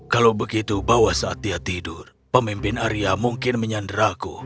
kalau begitu bahwa saat dia tidur pemimpin arya mungkin menyandraku